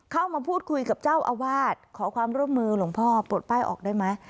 เข้ามาพูดคุยกับเจ้าอาวาสขอความร่วมมือหลวงพ่อปลดป้ายออกได้ไหม